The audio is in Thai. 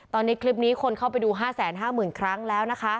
ตอนนี้คลิปนี้คนเข้าไปดู๕๕๐๐๐ครั้งแล้วนะคะ